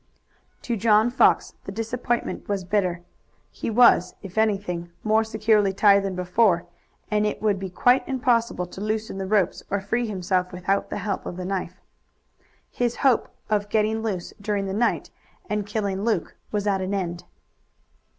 To John Fox the disappointment was bitter. He was, if anything, more securely tied than before, and it would be quite impossible to loosen the rope or free himself without the help of the knife. His hope of getting loose during the night and killing Luke was at an end.